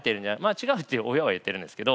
違うって親は言ってるんですけど。